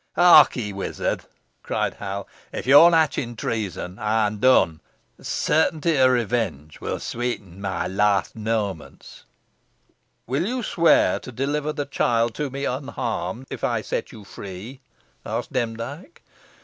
"Harkee, wizard," cried Hal, "if yo're hatching treason ey'n dun. T' sartunty o' revenge win sweeten mey last moments." "Will you swear to deliver the child to me unharmed, if I set you free?" asked Demdike.